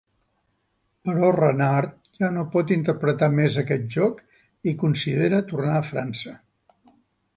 Però Renard ja no pot interpretar més aquest joc i considera tornar a França.